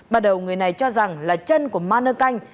bắt đầu người này cho rằng là chân của man nơ canh